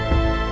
terima kasih ya